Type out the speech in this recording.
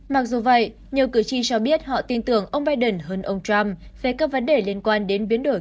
mặc dù vậy nhiều cử tri cho biết họ tin tưởng rằng ông biden sẽ không có tình hình tốt hơn dưới thở ông biden